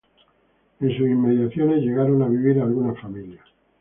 En sus inmediaciones llegaron a vivir algunas familias.